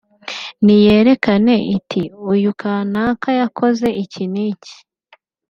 niyerekane iti uyu kanaka yakoze iki n’iki